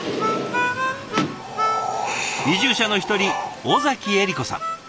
移住者の一人尾崎えり子さん。